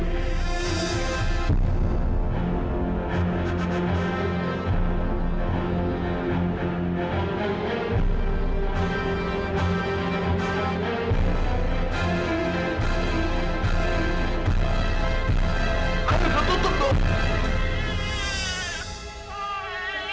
kamila tutup dong